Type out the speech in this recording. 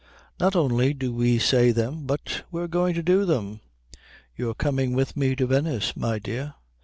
Not only do we say them but we're going to do them. You're coming with me to Venice, my dear.